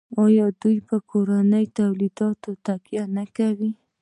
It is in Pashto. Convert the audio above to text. آیا دوی په کورنیو تولیداتو تکیه نه کوي؟